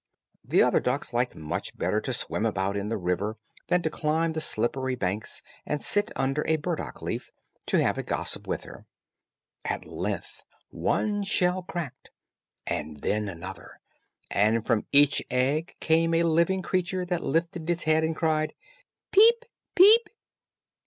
The other ducks liked much better to swim about in the river than to climb the slippery banks, and sit under a burdock leaf, to have a gossip with her. At length one shell cracked, and then another, and from each egg came a living creature that lifted its head and cried, "Peep, peep."